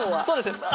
そうですね